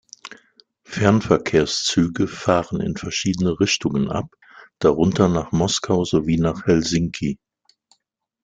Fernverkehrszüge fahren in verschiedene Richtungen ab, darunter nach Moskau sowie nach Helsinki.